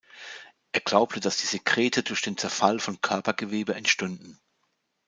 Er glaubte, dass die Sekrete durch den Zerfall von Körpergewebe entstünden.